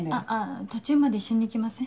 途中まで一緒に行きません？